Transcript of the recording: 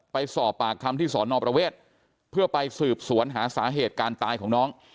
ไปสอบปากคำที่สอนอประเวทเพื่อไปสืบสวนหาสาเหตุการตายของน้อง